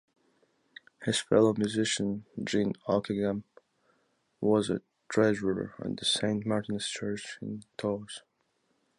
His fellow musician, Jean Ockeghem, was a treasurer at the Saint-Martin`s Church in Tours.